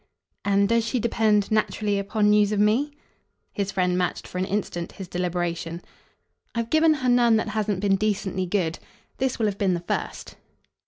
"And does she depend, naturally, upon news of ME?" His friend matched for an instant his deliberation. "I've given her none that hasn't been decently good. This will have been the first."